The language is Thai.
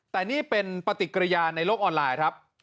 แต่นี่เป็นปฏิกิริยาในโลกออนไลน์ครับ